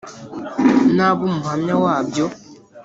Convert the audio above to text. naba umuhamya wabyo